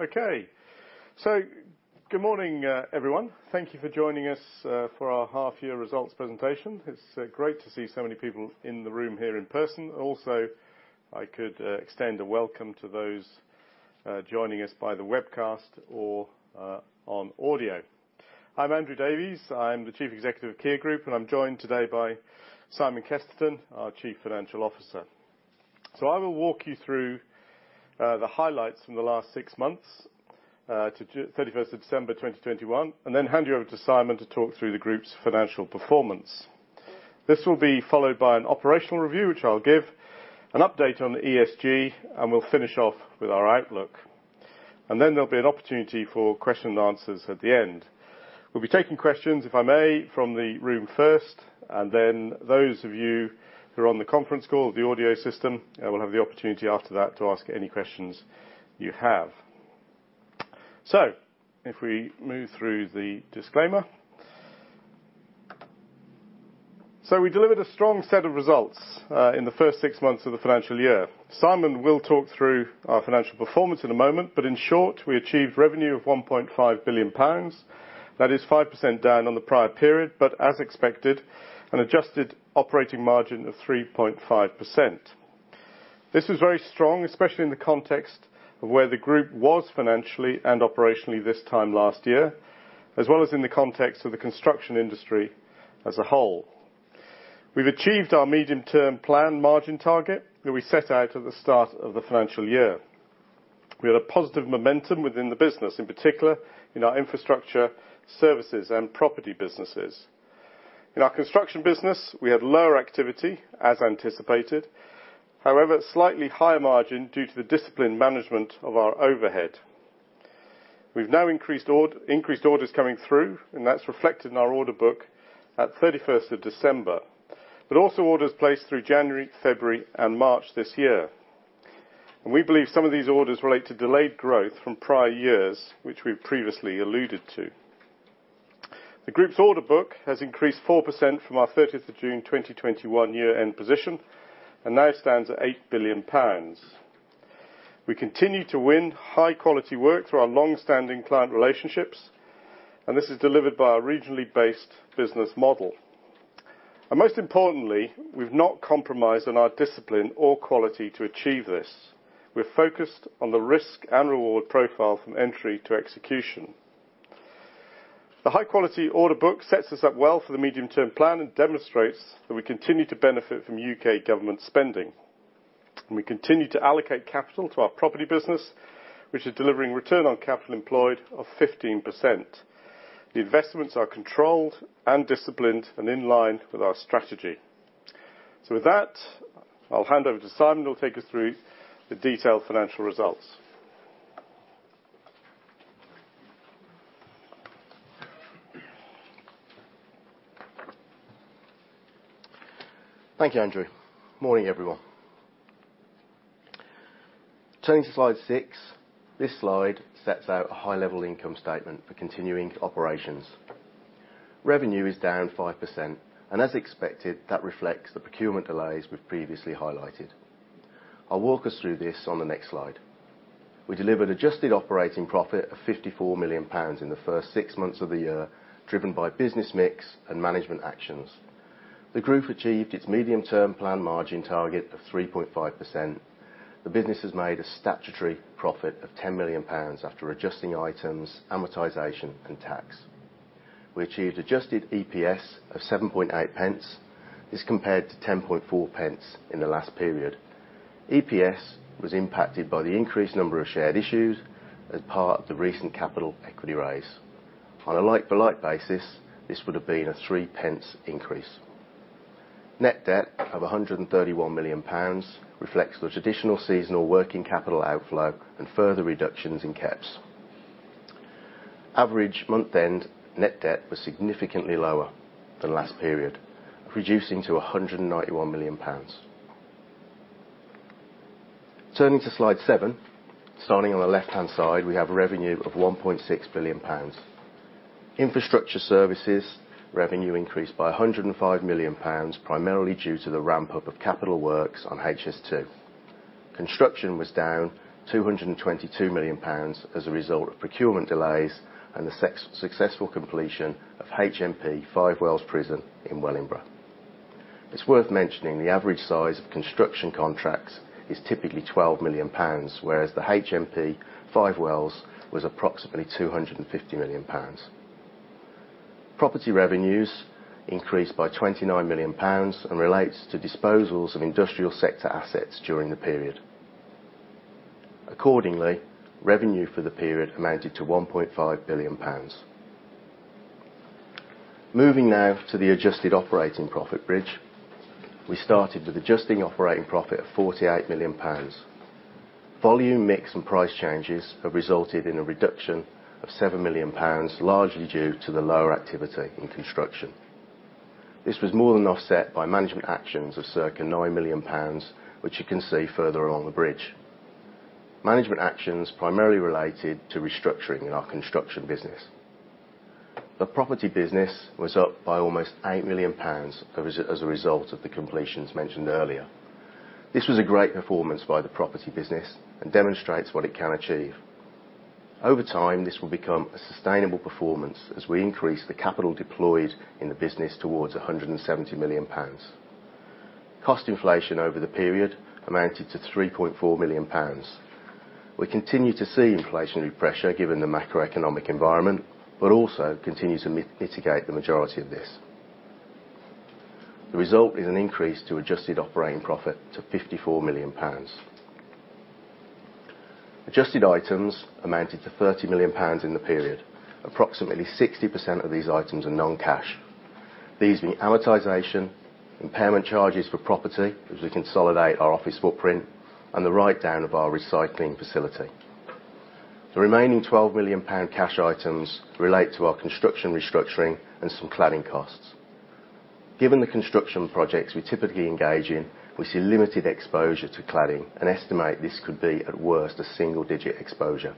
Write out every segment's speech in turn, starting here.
Okay. Good morning, everyone. Thank you for joining us for our half-year results presentation. It's great to see so many people in the room here in person. Also, I could extend a welcome to those joining us by the webcast or on audio. I'm Andrew Davies, I'm the Chief Executive of Kier Group, and I'm joined today by Simon Kesterton, our Chief Financial Officer. I will walk you through the highlights from the last six months to December 31st, 2021, and then hand you over to Simon to talk through the group's financial performance. This will be followed by an operational review, which I'll give, an update on the ESG, and we'll finish off with our outlook. Then there'll be an opportunity for question-and-answers at the end. We'll be taking questions, if I may, from the room first, and then those of you who are on the conference call, the audio system, will have the opportunity after that to ask any questions you have. If we move through the disclaimer. We delivered a strong set of results in the first six months of the financial year. Simon will talk through our financial performance in a moment, but in short, we achieved revenue of 1.5 billion pounds. That is 5% down on the prior period, but as expected, an adjusted operating margin of 3.5%. This is very strong, especially in the context of where the group was financially and operationally this time last year, as well as in the context of the construction industry as a whole. We've achieved our medium-term plan margin target that we set out at the start of the financial year. We had a positive momentum within the business, in particular in our infrastructure services and property businesses. In our construction business, we had lower activity as anticipated, however, slightly higher margin due to the disciplined management of our overhead. We've now increased orders coming through, and that's reflected in our order book at December 31st. Orders placed through January, February, and March this year. We believe some of these orders relate to delayed growth from prior years, which we've previously alluded to. The group's order book has increased 4% from our June 30th 2021 year-end position and now stands at 8 billion pounds. We continue to win high-quality work through our long-standing client relationships, and this is delivered by our regionally based business model. Most importantly, we've not compromised on our discipline or quality to achieve this. We're focused on the risk and reward profile from entry to execution. The high-quality order book sets us up well for the medium-term plan and demonstrates that we continue to benefit from U.K. government spending. We continue to allocate capital to our property business, which is delivering return on capital employed of 15%. The investments are controlled and disciplined and in line with our strategy. With that, I'll hand over to Simon, who'll take us through the detailed financial results. Thank you, Andrew. Morning, everyone. Turning to Slide 6, this slide sets out a high-level income statement for continuing operations. Revenue is down 5%, and as expected, that reflects the procurement delays we've previously highlighted. I'll walk us through this on the next slide. We delivered adjusted operating profit of 54 million pounds in the first six months of the year, driven by business mix and management actions. The group achieved its medium-term plan margin target of 3.5%. The business has made a statutory profit of 10 million pounds after adjusting items, amortisation, and tax. We achieved adjusted EPS of 7.8 pence as compared to 10.4 pence in the last period. EPS was impacted by the increased number of shares issued as part of the recent capital equity raise. On a like-for-like basis, this would have been a 3 pence increase. Net debt of 131 million pounds reflects the traditional seasonal working capital outflow and further reductions in CapEx. Average month-end net debt was significantly lower than last period, reducing to 191 million pounds. Turning to Slide 7, starting on the left-hand side, we have revenue of 1.6 billion pounds. Infrastructure services revenue increased by 105 million pounds, primarily due to the ramp-up of capital works on HS2. Construction was down 222 million pounds as a result of procurement delays and the successful completion ofHMP Five Wells Prison (Wellingborough). It's worth mentioning the average size of construction contracts is typically 12 million pounds, whereas the HMP Five Wells was approximately 250 million pounds. Property revenues increased by 29 million pounds and relate to disposals of industrial sector assets during the period. Accordingly, revenue for the period amounted to 1.5 billion pounds. Moving now to the adjusted operating profit bridge, we started with adjusted operating profit of 48 million pounds. Volume mix and price changes have resulted in a reduction of 7 million pounds, largely due to the lower activity in construction. This was more than offset by management actions of circa 9 million pounds, which you can see further along the bridge. Management actions primarily related to restructuring in our construction business. The property business was up by almost 8 million pounds as a result of the completions mentioned earlier. This was a great performance by the property business and demonstrates what it can achieve. Over time, this will become a sustainable performance as we increase the capital deployed in the business towards 170 million pounds. Cost inflation over the period amounted to 3.4 million pounds. We continue to see inflationary pressure given the macroeconomic environment, but also continue to mitigate the majority of this. The result is an increase in adjusted operating profit to 54 million pounds. Adjusted items amounted to 30 million pounds in the period. Approximately 60% of these items are non-cash. These are the amortisation, impairment charges for property as we consolidate our office footprint, and the write-down of our recycling facility. The remaining 12 million pound cash items relate to our construction restructuring and some cladding costs. Given the construction projects we typically engage in, we see limited exposure to cladding and estimate this could be at worst a single-digit exposure.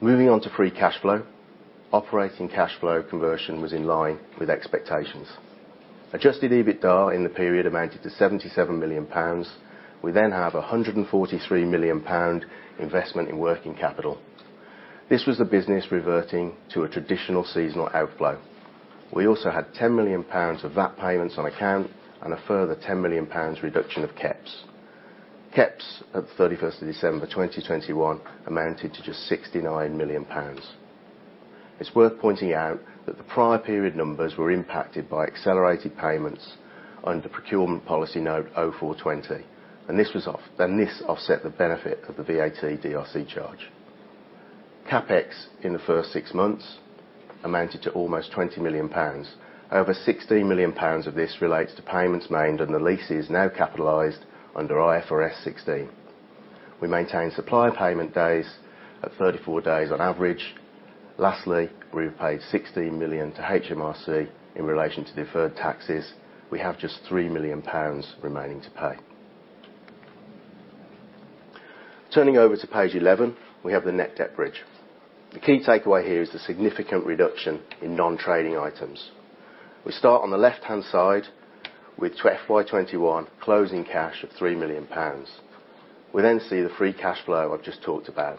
Moving on to free cash flow, operating cash flow conversion was in line with expectations. Adjusted EBITDA in the period amounted to 77 million pounds. We then have 143 million pound investment in working capital. This was the business reverting to a traditional seasonal outflow. We also had 10 million pounds of VAT payments on account and a further 10 million pounds reduction of CapEx. CapEx at the December 31st 2021 amounted to just 69 million pounds. It's worth pointing out that the prior period numbers were impacted by accelerated payments under Procurement Policy Note 04/20, and this offset the benefit of the VAT DRC charge. CapEx in the first six months amounted to almost 20 million pounds. Over 16 million pounds of this relates to payments made, and the lease is now capitalized under IFRS 16. We maintain supplier payment days at 34 days on average. Lastly, we've paid 16 million to HMRC in relation to deferred taxes. We have just 3 million pounds remaining to pay. Turning over to page 11, we have the net debt bridge. The key takeaway here is the significant reduction in non-trading items. We start on the left-hand side with FY 2021 closing cash of 3 million pounds. We then see the free cash flow I've just talked about.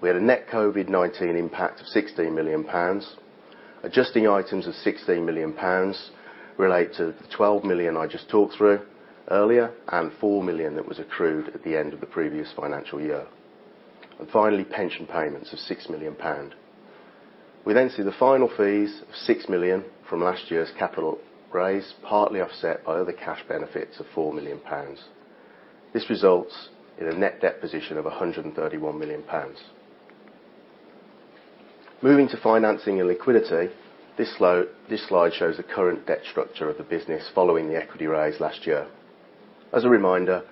We had a net COVID-19 impact of 16 million pounds. Adjusting items of 16 million pounds relate to the 12 million I just talked through earlier and 4 million that was accrued at the end of the previous financial year. Finally, pension payments of 6 million pounds. We then see the final fees of 6 million from last year's capital raise, partly offset by other cash benefits of 4 million pounds. This results in a net debt position of 131 million pounds. Moving to financing and liquidity, this slide shows the current debt structure of the business following the equity raise last year. As a reminder,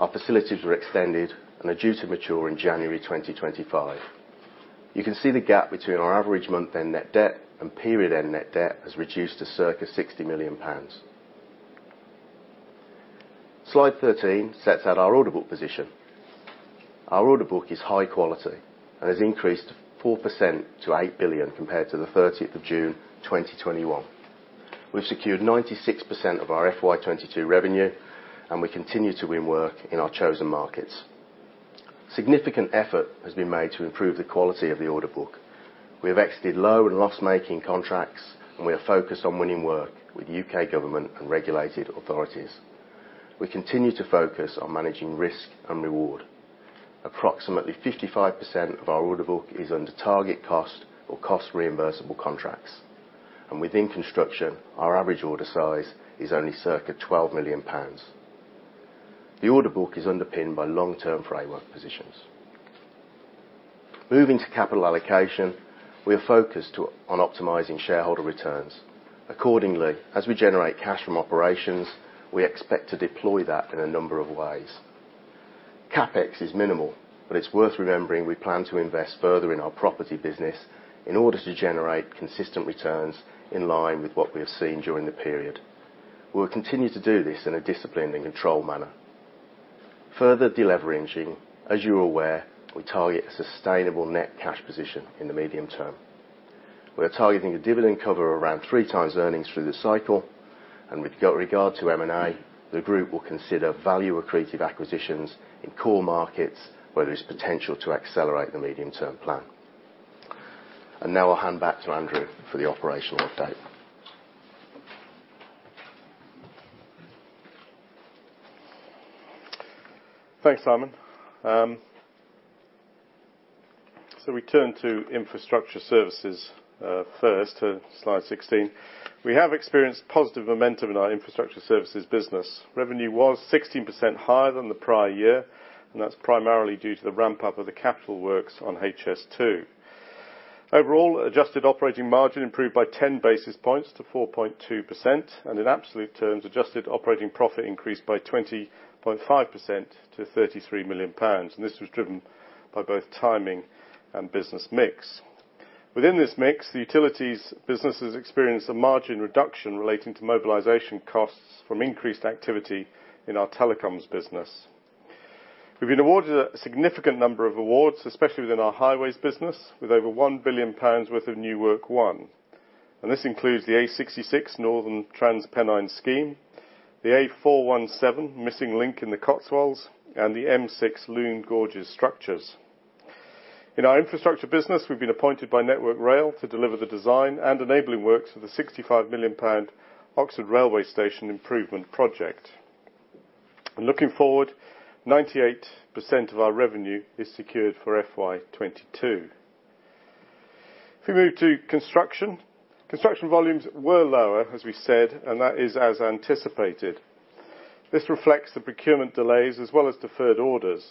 our facilities were extended and are due to mature in January 2025. You can see the gap between our average month-end net debt and period-end net debt has reduced to circa £60 million. Slide 13 sets out our order book position. Our order book is high quality and has increased 4% to £8 billion compared to the June 30th 2021. We've secured 96% of our FY 2022 revenue, and we continue to win work in our chosen markets. Significant effort has been made to improve the quality of the order book. We have exited low and loss-making contracts, and we are focused on winning work with U.K. Government and regulated authorities. We continue to focus on managing risk and reward. Approximately 55% of our order book is under target cost or cost-reimbursable contracts. Within construction, our average order size is only circa 12 million pounds. The order book is underpinned by long-term framework positions. Moving to capital allocation, we are focused on optimizing shareholder returns. Accordingly, as we generate cash from operations, we expect to deploy that in a number of ways. CapEx is minimal, but it's worth remembering we plan to invest further in our property business in order to generate consistent returns in line with what we have seen during the period. We will continue to do this in a disciplined and controlled manner. Further deleveraging, as you are aware, we target a sustainable net cash position in the medium term. We are targeting a dividend cover of around 3x earnings through the cycle. With regard to M&A, the group will consider value-accretive acquisitions in core markets where there is potential to accelerate the medium-term plan. Now I'll hand back to Andrew for the operational update. Thanks, Simon. We turn to infrastructure services, first to slide 16. We have experienced positive momentum in our infrastructure services business. Revenue was 16% higher than the prior year, and that's primarily due to the ramp-up of the capital works on HS2. Overall, adjusted operating margin improved by 10 basis points to 4.2%, and in absolute terms, adjusted operating profit increased by 25% to 33 million pounds, and this was driven by both timing and business mix. Within this mix, the utilities businesses experienced a margin reduction relating to mobilization costs from increased activity in our telecoms business. We've been awarded a significant number of awards, especially within our highways business, with over 1 billion pounds worth of new work won. This includes the A66 Northern Trans-Pennine scheme, the A417 Missing Link in the Cotswolds, and the M6 Lune Gorge structures. In our infrastructure business, we've been appointed by Network Rail to deliver the design and enabling works for the 65 million pound Oxford railway station improvement project. Looking forward, 98% of our revenue is secured for FY 2022. If we move to construction volumes were lower, as we said, and that is as anticipated. This reflects the procurement delays as well as deferred orders.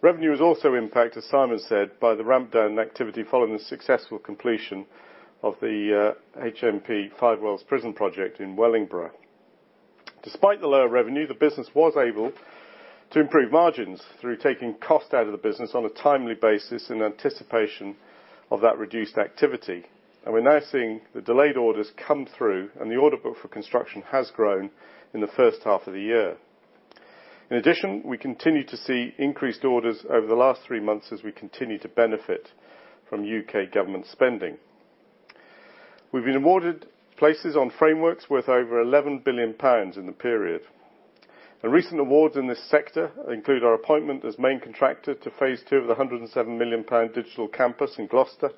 Revenue was also impacted, as Simon said, by the ramp-down in activity following the successful completion of the HMP Five Wells Prison project (Wellingborough). Despite the lower revenue, the business was able to improve margins through taking cost out of the business on a timely basis in anticipation of that reduced activity. We're now seeing the delayed orders come through, and the order book for construction has grown in the first half of the year. In addition, we continue to see increased orders over the last three months as we continue to benefit from U.K. government spending. We've been awarded places on frameworks worth over 11 billion pounds in the period. The recent awards in this sector include our appointment as main contractor to phase two of the 107 million pound digital campus in Gloucester,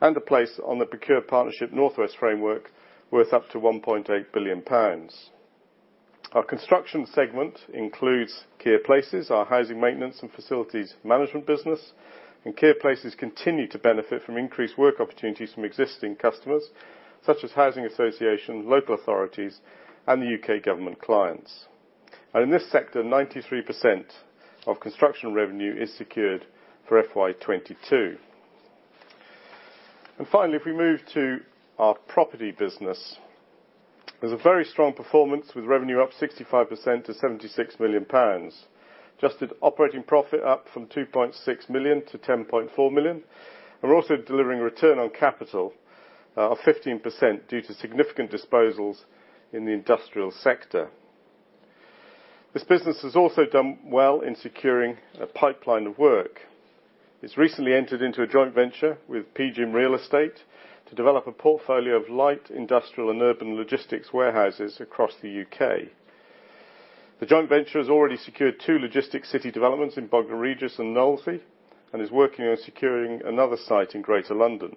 and a place on the Procure Partnerships North West framework worth up to 1.8 billion pounds. Our construction segment includes Kier Places, our housing maintenance and facilities management business, and Kier Places continue to benefit from increased work opportunities from existing customers, such as housing associations, local authorities, and the U.K. government clients. In this sector, 93% of construction revenue is secured for FY 2022. Finally, if we move to our property business, it was a very strong performance with revenue up 65% to 76 million pounds. Adjusted operating profit up from 2.6 million to 10.4 million. We're also delivering return on capital of 15% due to significant disposals in the industrial sector. This business has also done well in securing a pipeline of work. It's recently entered into a joint venture with PGIM Real Estate to develop a portfolio of light industrial and urban logistics warehouses across the U.K. The joint venture has already secured two Logistic City developments in Bognor Regis and Knowsley, and is working on securing another site in Greater London.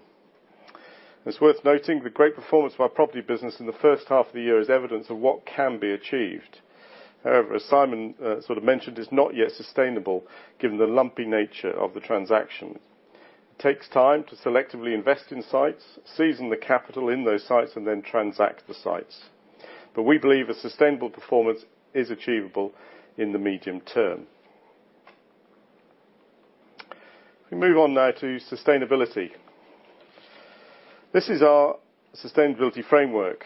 It's worth noting the great performance of our property business in the first half of the year is evidence of what can be achieved. However, as Simon sort of mentioned, it's not yet sustainable given the lumpy nature of the transaction. It takes time to selectively invest in sites, season the capital in those sites, and then transact the sites. We believe a sustainable performance is achievable in the medium term. If we move on now to sustainability. This is our sustainability framework.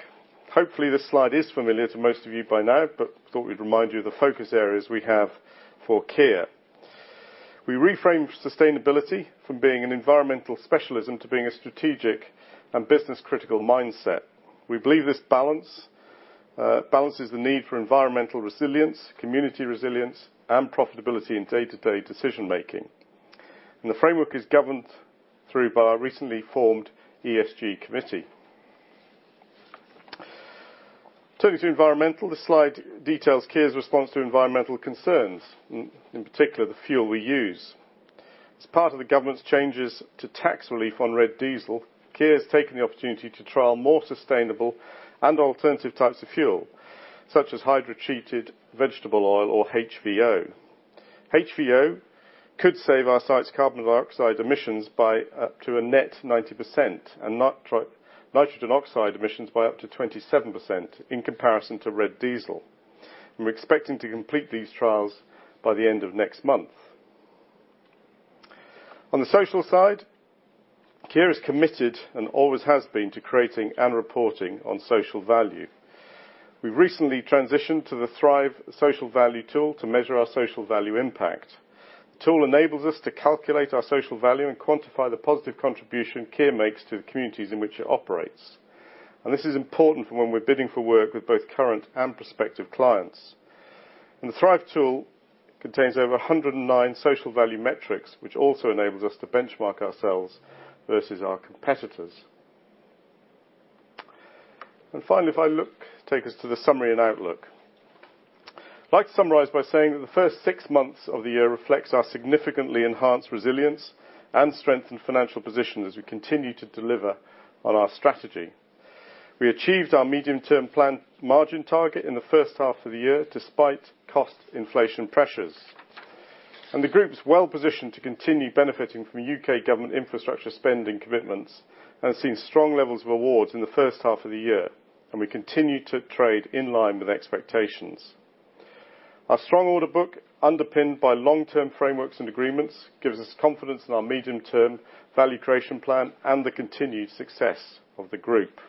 Hopefully, this slide is familiar to most of you by now, but thought we'd remind you of the focus areas we have for Kier. We reframe sustainability from being an environmental specialism to being a strategic and business-critical mindset. We believe this balance balances the need for environmental resilience, community resilience, and profitability in day-to-day decision-making. The framework is governed through our recently formed ESG Committee. Turning to environmental, this slide details Kier's response to environmental concerns in particular, the fuel we use. As part of the government's changes to tax relief on red diesel, Kier has taken the opportunity to trial more sustainable and alternative types of fuel, such as hydrotreated vegetable oil (HVO). HVO could save our site's carbon dioxide emissions by up to a net 90% and nitrogen oxides emissions by up to 27% in comparison to red diesel. We're expecting to complete these trials by the end of next month. On the social side, Kier is committed, and always has been, to creating and reporting on social value. We recently transitioned to the THRIVE social value tool to measure our social value impact. The tool enables us to calculate our social value and quantify the positive contribution Kier makes to the communities in which it operates. This is important for when we're bidding for work with both current and prospective clients. The THRIVE tool contains over 109 social value metrics, which also enables us to benchmark ourselves versus our competitors. Finally, take us to the summary and outlook. I'd like to summarize by saying that the first six months of the year reflects our significantly enhanced resilience and strengthened financial position as we continue to deliver on our strategy. We achieved our medium-term plan margin target in the first half of the year, despite cost inflation pressures. The Group's well-positioned to continue benefiting from U.K. government infrastructure spending commitments, and has seen strong levels of awards in the first half of the year. We continue to trade in line with expectations. Our strong order book, underpinned by long-term frameworks and agreements, gives us confidence in our medium-term value creation plan and the continued success of the Group.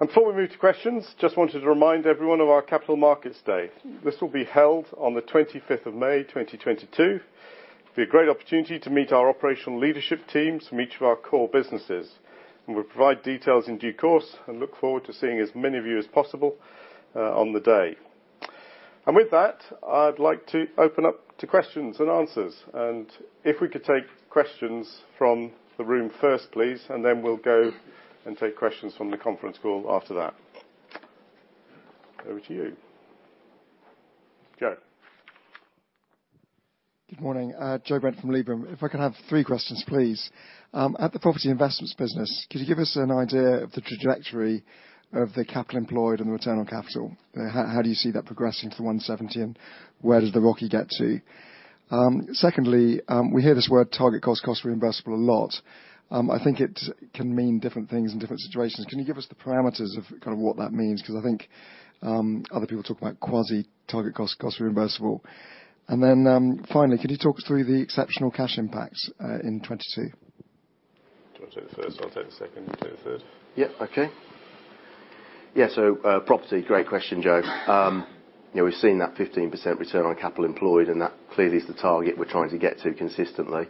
Before we move to questions, just wanted to remind everyone of our capital markets day. This will be held on the May 25th 2022. It will be a great opportunity to meet our operational leadership teams from each of our core businesses. We'll provide details in due course, and look forward to seeing as many of you as possible on the day. With that, I'd like to open up to questions and answers. If we could take questions from the room first, please, and then we'll go and take questions from the conference call after that. Over to you. Go. Good morning. Joe Brent from Liberum. If I could have three questions, please. At the property investments business, could you give us an idea of the trajectory of the capital employed and the return on capital? How do you see that progressing to the 170 million, and where does the ROCE get to? Secondly, we hear this word target cost reimbursable a lot. I think it can mean different things in different situations. Can you give us the parameters of kind of what that means? 'Cause I think other people talk about quasi target cost reimbursable. Finally, could you talk us through the exceptional cash impacts in 2022? Do you wanna take the first, I'll take the second, you take the third? Yep, okay. Yeah, property, great question, Joe. You know, we've seen that 15% return on capital employed, and that clearly is the target we're trying to get to consistently.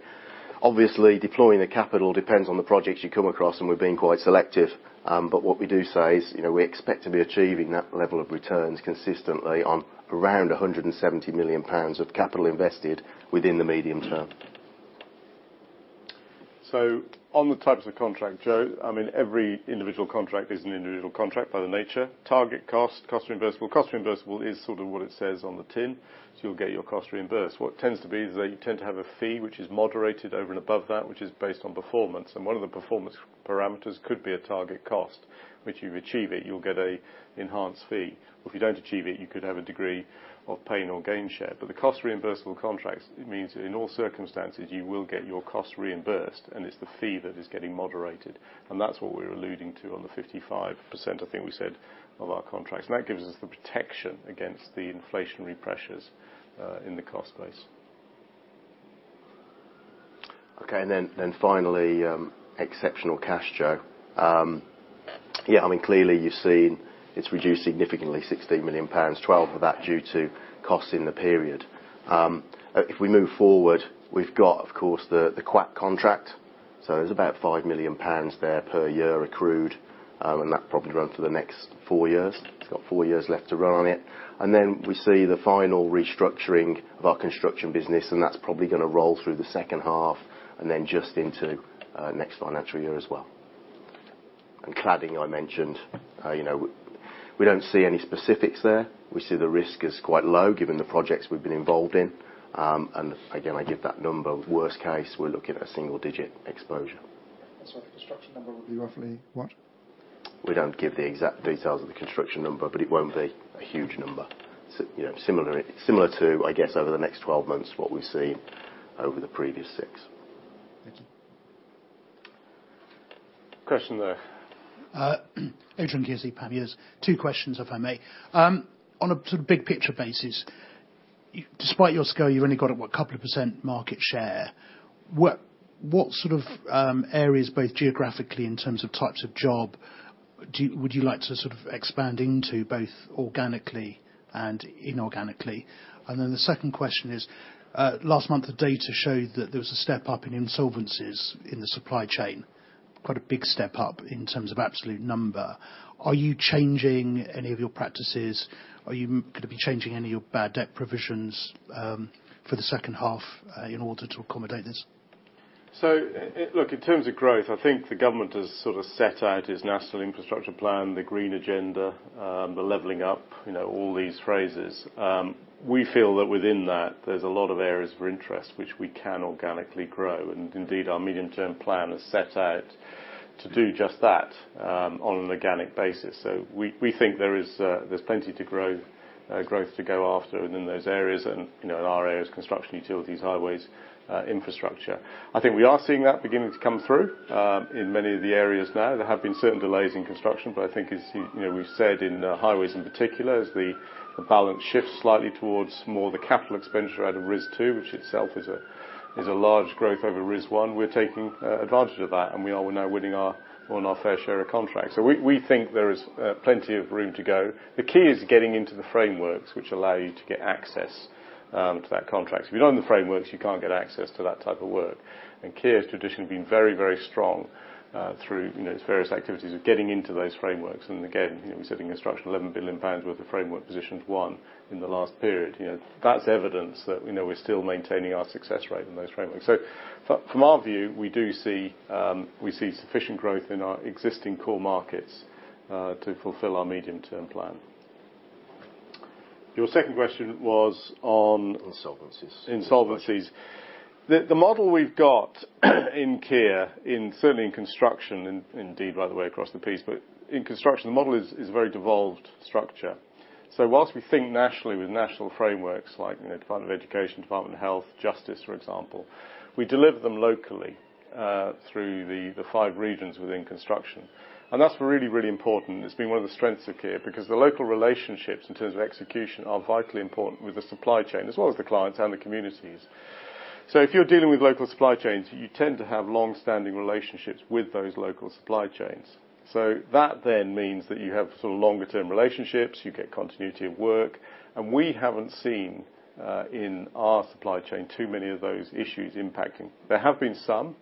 Obviously, deploying the capital depends on the projects you come across, and we're being quite selective. But what we do say is, you know, we expect to be achieving that level of returns consistently on around 170 million pounds of capital invested within the medium term. On the types of contract, Joe, I mean, every individual contract is an individual contract by their nature. Target cost reimbursable. Cost reimbursable is sort of what it says on the tin, so you'll get your cost reimbursed. What it tends to be is that you tend to have a fee which is moderated over and above that, which is based on performance, and one of the performance parameters could be a target cost, which you achieve it, you'll get a enhanced fee. But if you don't achieve it, you could have a degree of pain or gain share. But the cost reimbursable contracts, it means that in all circumstances, you will get your costs reimbursed, and it's the fee that is getting moderated. That's what we're alluding to on the 55%, I think we said, of our contracts. That gives us the protection against the inflationary pressures in the cost base. Okay, and then, and finally, exceptional cash, Joe. Yeah, I mean, clearly you've seen it's reduced significantly by 60 million pounds, 12 million of that due to costs in the period. If we move forward, we've got, of course, the QEQM contract, so there's about 5 million pounds there per year accrued, and that'll probably run for the next four years. It's got four years left to run on it. Then we see the final restructuring of our construction business, and that's probably gonna roll through the second half and then just into next financial year as well. Cladding, I mentioned, you know, we don't see any specifics there. We see the risk is quite low given the projects we've been involved in. Again, I give that number, worst case, we're looking at a single-digit exposure. The construction number would be roughly what? We don't give the exact details of the construction number, but it won't be a huge number. You know, similarly similar to, I guess, over the next 12 months, what we've seen over the previous 6 months. Thank you. Question there. We haven't seen in our supply chain too many of those issues impacting. There have been some,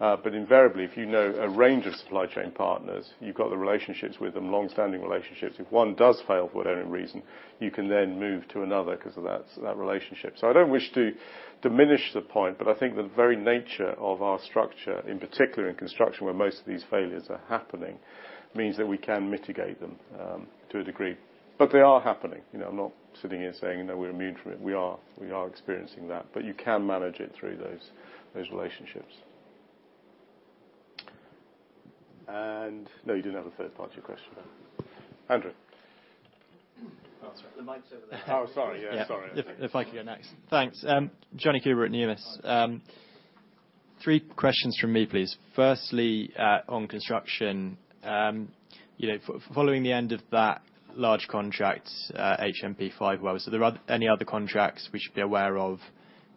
but invariably, if you know a range of supply chain partners, you've got the relationships with them, long-standing relationships. If one does fail for whatever reason, you can then move to another 'cause of that relationship. I don't wish to diminish the point, but I think the very nature of our structure, in particular in construction, where most of these failures are happening, means that we can mitigate them to a degree. But they are happening. You know, I'm not sitting here saying, you know, we're immune from it. We are experiencing that. But you can manage it through those relationships. No, you didn't have a third part to your question. Andrew. Oh, sorry. The mic's over there. Oh, sorry. Yeah, sorry. If I could go next. Thanks. Jonny Coubrough at Numis. Three questions from me, please. Firstly, on construction, you know, following the end of that large contract, HMP Five Wells, are there any other contracts we should be aware of,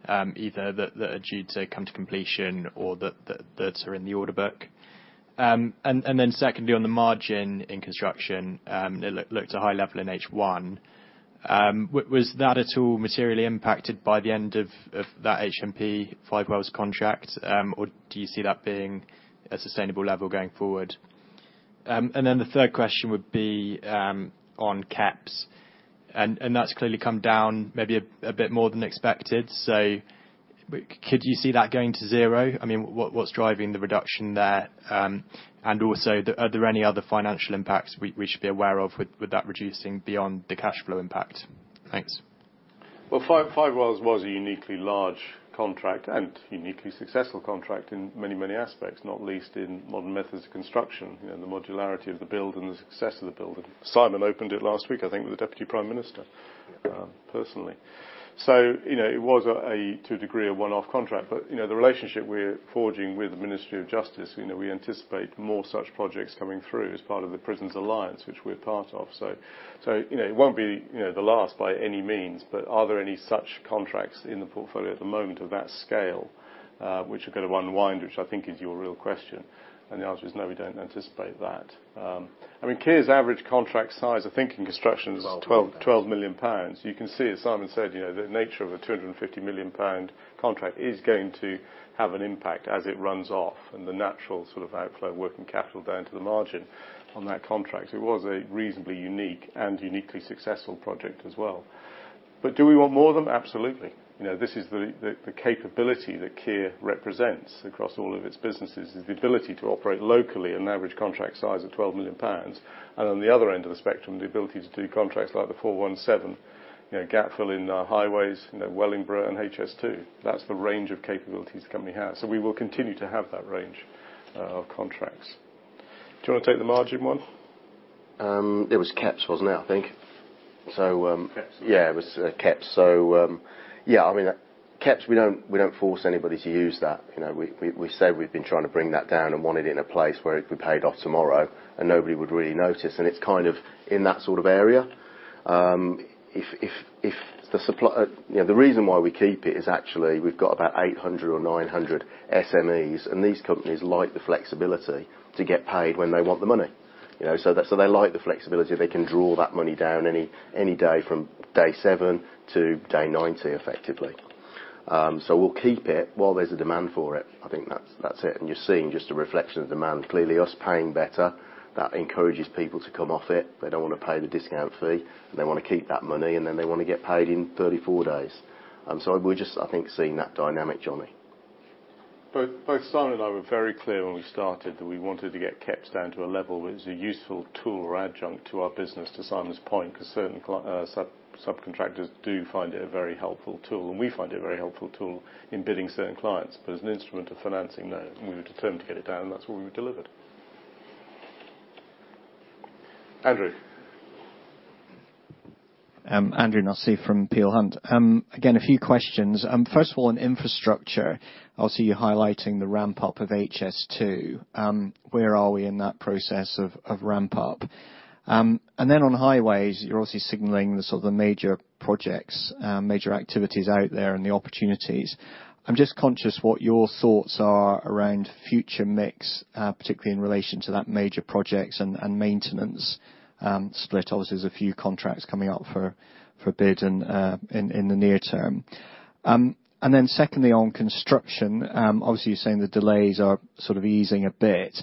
either that are due to come to completion or that are in the order book? And then secondly, on the margin in construction, it looked a high level in H1, was that at all materially impacted by the end of that HMP Five Wells contract, or do you see that being a sustainable level going forward? The third question would be on capEx. That's clearly come down maybe a bit more than expected. Could you see that going to zero? I mean, what's driving the reduction there? Also, are there any other financial impacts we should be aware of with that reducing beyond the cash flow impact? Thanks. Well, Five Wells was a uniquely large contract and uniquely successful contract in many, many aspects, not least in modern methods of construction, you know, the modularity of the build and the success of the build. Simon opened it last week, I think, with the Deputy Prime Minister personally. You know, it was a, to a degree, a one-off contract. You know, the relationship we're forging with the Ministry of Justice, you know, we anticipate more such projects coming through as part of the Prisons Alliance, which we're part of. So, you know, it won't be, you know, the last by any means. But are there any such contracts in the portfolio at the moment of that scale, which are gonna unwind? Which I think is your real question. The answer is no, we don't anticipate that. I mean, Kier's average contract size, I think, in construction is 12 million pounds. You can see, as Simon said, you know, the nature of a 250 million pound contract is going to have an impact as it runs off and the natural sort of outflow of working capital down to the margin on that contract. It was a reasonably unique and uniquely successful project as well. But do we want more of them? Absolutely. You know, this is the capability that Kier represents across all of its businesses, is the ability to operate locally an average contract size of 12 million pounds. On the other end of the spectrum, the ability to do contracts like the A417, you know, gap fill in highways, you know, Wellingborough and HS2. That's the range of capabilities the company has. We will continue to have that range of contracts. Do you wanna take the margin one? It was CapEx, wasn't it? I think. CapEx, yeah. Yeah, it was CapEx. Yeah, I mean, CapEx, we don't force anybody to use that. You know, we said we've been trying to bring that down and wanted it in a place where it could be paid off tomorrow and nobody would really notice, and it's kind of in that sort of area. You know, the reason why we keep it is actually we've got about 800 or 900 SMEs, and these companies like the flexibility to get paid when they want the money. You know, so they like the flexibility. They can draw that money down any day from day 7 to day 90, effectively. We'll keep it while there's a demand for it. I think that's it. You're seeing just a reflection of demand. Clearly, us paying better, that encourages people to come off it. They don't wanna pay the discount fee. They wanna keep that money, and then they wanna get paid in 34 days. We're just, I think, seeing that dynamic, Johnny. Both Simon and I were very clear when we started that we wanted to get CapEx down to a level which is a useful tool or adjunct to our business, to Simon's point, 'cause certain sub-subcontractors do find it a very helpful tool, and we find it a very helpful tool in bidding certain clients. As an instrument of financing, no. We were determined to get it down, and that's what we've delivered. Andrew. Andrew Nussey from Peel Hunt. Again, a few questions. First of all, on infrastructure, obviously, you're highlighting the ramp-up of HS2. Where are we in that process of ramp-up? And then on highways, you're obviously signaling the sort of major projects, major activities out there and the opportunities. I'm just conscious of what your thoughts are around future mix, particularly in relation to that major projects and maintenance split. Obviously, there's a few contracts coming up for bid in the near term. And then secondly, on construction, obviously, you're saying the delays are sort of easing a bit.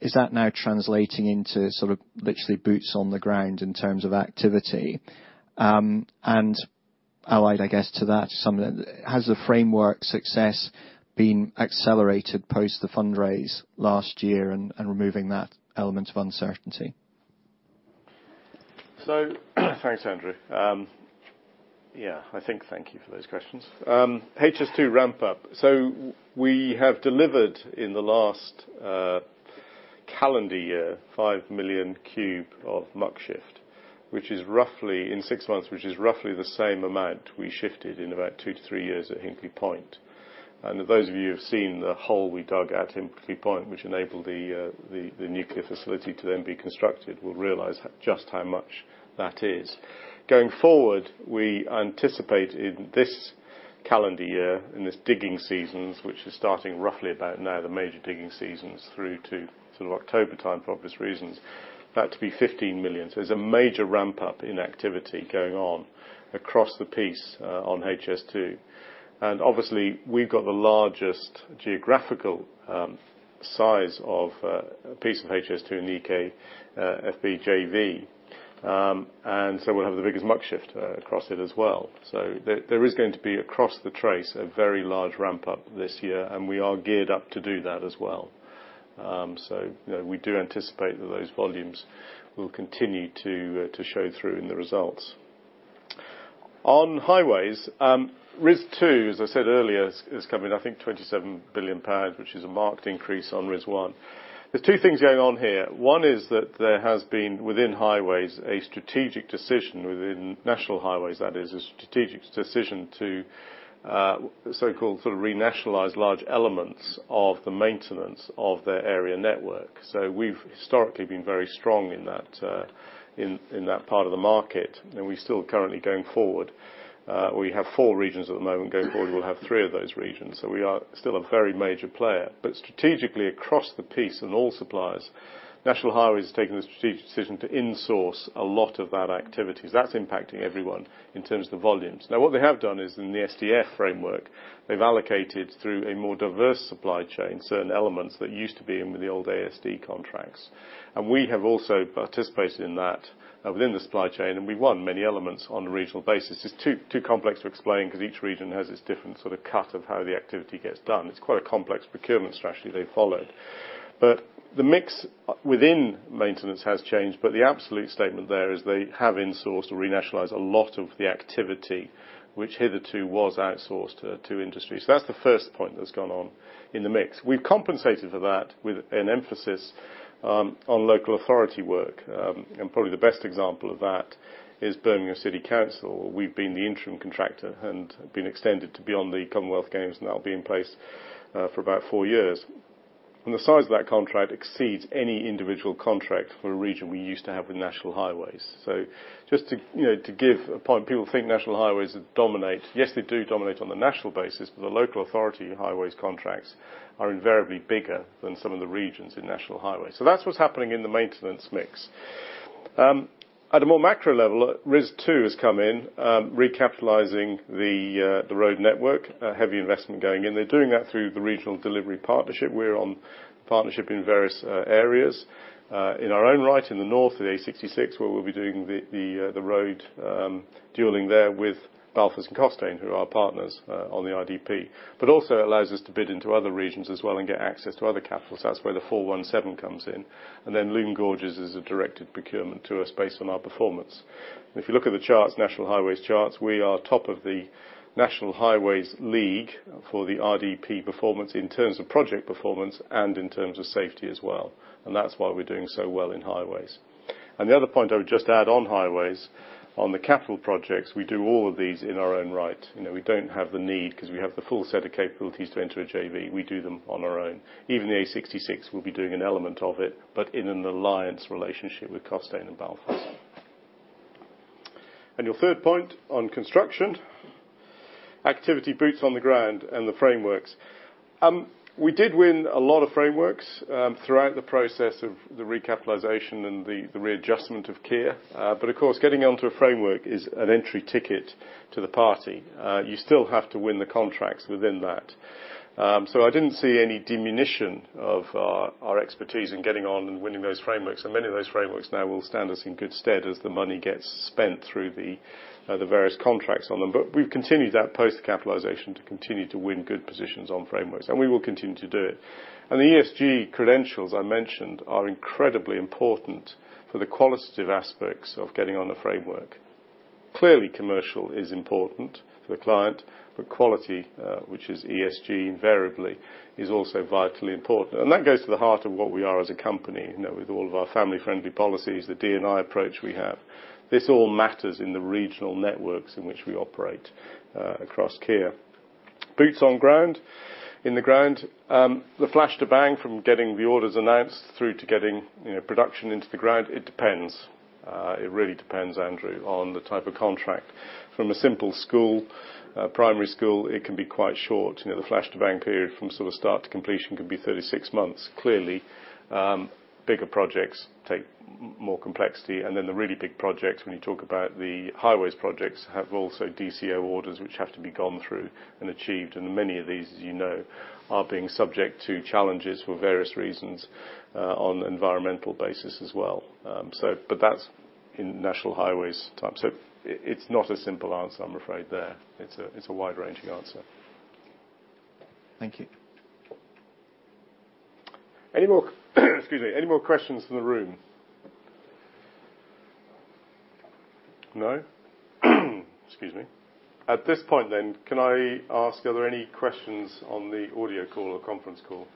Is that now translating into sort of literally boots on the ground in terms of activity? Allied, I guess, to that, Simon, has the framework success been accelerated post the fundraise last year and removing that element of uncertainty? Thanks, Andrew. Yeah, I think thank you for those questions. HS2 ramp-up. We have delivered in the last calendar year 5 million cube of muck shift, which is roughly in six months, which is roughly the same amount we shifted in about two-three years at Hinkley Point C. Those of you who've seen the hole we dug at Hinkley Point C, which enabled the nuclear facility to then be constructed, will realize just how much that is. Going forward, we anticipate in this calendar year, in this digging seasons, which is starting roughly about now, the major digging seasons through to sort of October time, for obvious reasons that to be 15 million. There's a major ramp-up in activity going on across the piece on HS2. Obviously, we've got the largest geographical size of a piece of HS2 in the U.K., EKFB JV. And so we'll have the biggest muck shift across it as well. There is going to be across the trace a very large ramp-up this year, and we are geared up to do that as well. So you know, we do anticipate that those volumes will continue to show through in the results. On highways, RIS2, as I said earlier, is coming, I think 27 billion pounds, which is a marked increase on RIS1. There's two things going on here. One is that there has been, within National Highways, a strategic decision, within National Highways that is, to so-called sort of renationalize large elements of the maintenance of their area network. We've historically been very strong in that part of the market, and we still currently going forward. We have four regions at the moment. Going forward, we'll have three of those regions. We are still a very major player. Strategically across the piece in all suppliers, National Highways has taken the strategic decision to insource a lot of that activity. That's impacting everyone in terms of the volumes. Now, what they have done is in the SDF framework, they've allocated through a more diverse supply chain certain elements that used to be in with the old ASC contracts. We have also participated in that within the supply chain, and we won many elements on a regional basis. It's too complex to explain because each region has its different sort of cut of how the activity gets done. It's quite a complex procurement strategy they followed. The mix within maintenance has changed, but the absolute statement there is they have insourced or renationalized a lot of the activity which hitherto was outsourced to industry. That's the first point that's gone on in the mix. We've compensated for that with an emphasis on local authority work. And probably the best example of that is Birmingham City Council. We've been the interim contractor and been extended to beyond the Commonwealth Games, now being in place for about four years. The size of that contract exceeds any individual contract for a region we used to have with National Highways. Just to, you know, give a point, people think National Highways dominate. Yes, they do dominate on the national basis, but the local authority highways contracts are invariably bigger than some of the regions in National Highways. That's what's happening in the maintenance mix. At a more macro level, RIS2 has come in, recapitalizing the road network, a heavy investment going in. They're doing that through the Regional Delivery Partnership. We're in partnership in various areas. In our own right in the north of the A66, where we'll be doing the road dualling there witzh Balfour and Costain, who are our partners on the RDP, but it also allows us to bid into other regions as well and get access to other CapEx. That's where the A417 comes in. Lune Gorges is a directed procurement to us based on our performance. If you look at the charts, National Highways charts, we are top of the National Highways league for the RDP performance in terms of project performance and in terms of safety as well. That's why we're doing so well in highways. The other point I would just add on highways, on the capital projects, we do all of these in our own right. You know, we don't have the need because we have the full set of capabilities to enter a JV. We do them on our own. Even the A66, we'll be doing an element of it, but in an alliance relationship with Costain and Balfour. Your third point on construction, activity boots on the ground and the frameworks. We did win a lot of frameworks throughout the process of the recapitalization and the readjustment of Kier. Of course, getting onto a framework is an entry ticket to the party. You still have to win the contracts within that. I didn't see any diminution of our expertise in getting on and winning those frameworks. Many of those frameworks now will stand us in good stead as the money gets spent through the various contracts on them. We've continued that post-capitalization to continue to win good positions on frameworks, and we will continue to do it. The ESG credentials I mentioned are incredibly important for the qualitative aspects of getting on the framework. Clearly commercial is important for the client, but quality, which is ESG invariably, is also vitally important. That goes to the heart of what we are as a company, you know, with all of our family-friendly policies, the D&I approach we have. This all matters in the regional networks in which we operate across Kier. Boots on ground. In the ground, the flash to bang from getting the orders announced through to getting, you know, production into the ground, it depends. It really depends, Andrew, on the type of contract. From a simple school, a primary school, it can be quite short. You know, the flash to bang period from sort of start to completion could be 36 months. Clearly, bigger projects take more complexity. Then the really big projects, when you talk about the highways projects, have also DCO orders which have to be gone through and achieved. Many of these, as you know, are being subject to challenges for various reasons, on environmental basis as well. That's in National Highways type. It's not a simple answer, I'm afraid there. It's a wide-ranging answer. Thank you. Any more, excuse me. Any more questions from the room? No? Excuse me. At this point then, can I ask are there any questions on the audio call or conference call?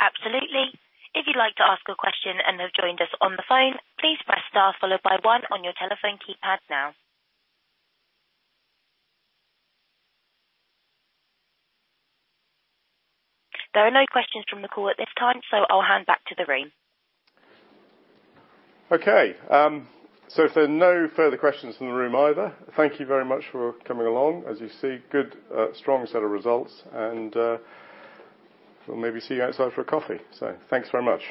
Absolutely. If you'd like to ask a question and have joined us on the phone, please press Star followed by one on your telephone keypad now. There are no questions from the call at this time, so I'll hand back to the room. Okay. If there are no further questions from the room either, thank you very much for coming along. As you see, good, strong set of results and, we'll maybe see you outside for a coffee. Thanks very much.